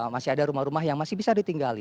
masih ada rumah rumah yang masih bisa ditinggali